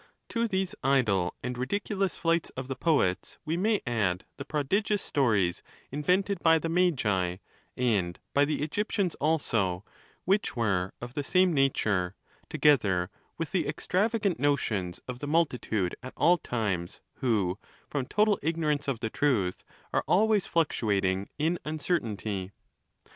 To these idle and ridiculous flights of the poets we may add the prodigious stories invented by the Magi, and by the Egyptians also, which were of the same nature, together with the extravagant notions of the multitude at all times, who, from total ignorance of the truth, are al ways fluctuating in uncertainty.